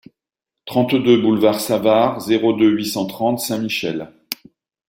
trente-deux boulevard Savart, zéro deux, huit cent trente Saint-Michel